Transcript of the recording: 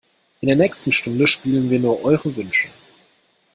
In der nächsten Stunde spielen wir nur eure Wünsche.